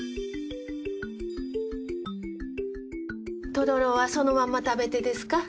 とろろはそのまま食べてですか？